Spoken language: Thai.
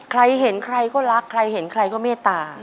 ใครเห็นใครก็รักใครเห็นใครก็เมตตา